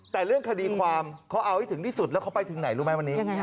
แต่เรื่องคดีความเขาเอาให้ถึงที่สุดแล้วเขาไปถึงไหนรู้ไหมวันนี้